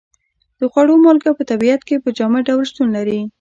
د خوړو مالګه په طبیعت کې په جامد ډول شتون لري.